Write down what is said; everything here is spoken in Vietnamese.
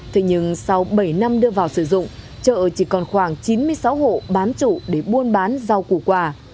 thế nhưng sau bảy năm đưa vào sử dụng chợ chỉ còn khoảng chín mươi sáu hộ bán chủ để buôn bán rau củ quà